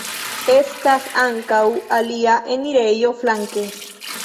Estas ankaŭ alia enirejo flanke.